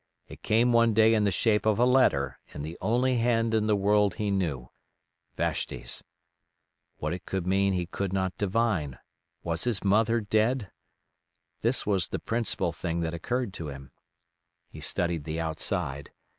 It came one day in the shape of a letter in the only hand in the world he knew—Vashti's. What it could mean he could not divine—was his mother dead? This was the principal thing that occurred to him. He studied the outside.